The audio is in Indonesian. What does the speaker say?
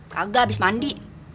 kagak habis mandi